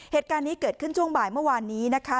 เหตุการณ์นี้เกิดขึ้นช่วงบ่ายเมื่อวานนี้นะคะ